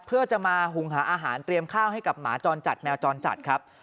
เพื่อจะมาหุงหาอาหารเตรียมข้าวให้กับหมาจรจัดแมวจรจัดครับ